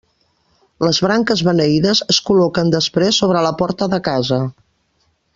Les branques beneïdes es col·loquen després sobre la porta de casa.